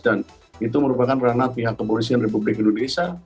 dan itu merupakan peranah pihak kepolisian republik indonesia